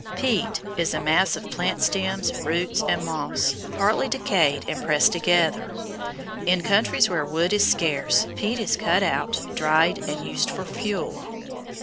Peat is a mass of plant stems, roots, and moss, partly decayed and pressed together. In countries where wood is scarce peat is cut out, dried, and used for fuel.